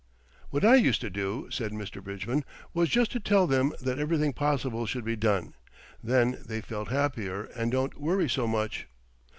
"What I used to do," said Sir Bridgman, "was just to tell them that everything possible should be done. Then they feel happier and don't worry so much.